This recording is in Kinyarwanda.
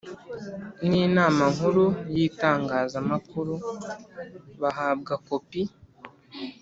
n Inama Nkuru y Itangazamakuru bahabwa kopi